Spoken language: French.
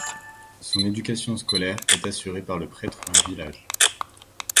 Son éducation scolaire est assurée par le prêtre du village.